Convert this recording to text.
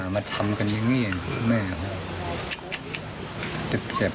พาแฟนคนนี้มาด้วยไหมครับ